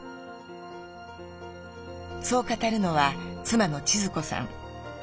そう語るのは妻の千壽子さん。